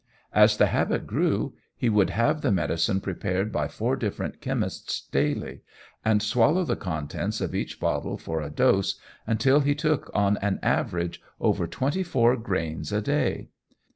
As the habit grew, he would have the medicine prepared by four different chemists daily, and swallow the contents of each bottle for a dose, until he took on an average over 24 grains a day.